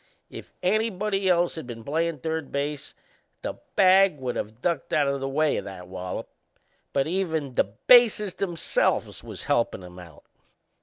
If anybody else had been playin' third base the bag would of ducked out o' the way o' that wallop; but even the bases themselves was helpin' him out.